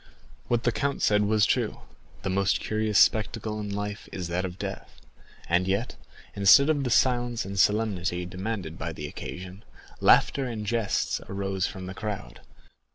What the count said was true—the most curious spectacle in life is that of death. And yet, instead of the silence and the solemnity demanded by the occasion, laughter and jests arose from the crowd.